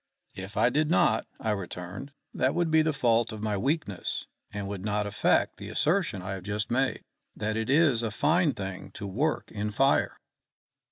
"If I did not," I returned, "that would be the fault of my weakness, and would not affect the assertion I have just made, that it is a fine thing to work in fire."